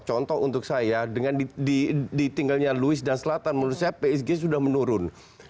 contoh untuk saya dengan ditinggalnya louis dan selatan menurut saya psg sudah menurun